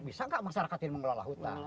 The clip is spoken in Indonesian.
bisa nggak masyarakat ini mengelola hutan